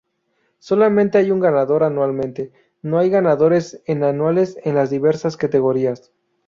Solamente hay un ganador anualmente, no hay ganadores en anuales en las diversas categorías.